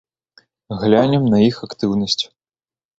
Глянем на іх актыўнасць.